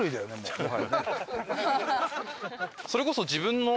それこそ自分の。